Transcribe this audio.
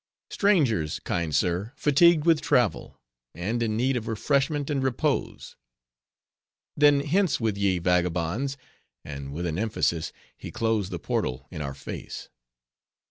"Strangers, kind sir, fatigued with travel, and in need of refreshment and repose." "Then hence with ye, vagabonds!" and with an emphasis, he closed the portal in our face.